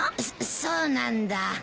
そっそうなんだ。